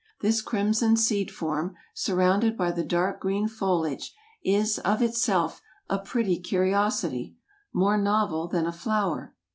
This crimson seed form, surrounded by the dark green foliage, is, of itself, a pretty curiosity, more novel than a flower.